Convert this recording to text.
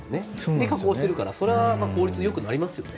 で、加工しているからそれは効率よくなりますよね。